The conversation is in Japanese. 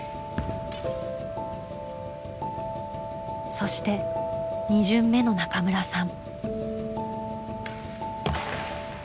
そして２巡目の中村さん。